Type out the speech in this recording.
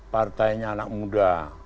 partainya anak muda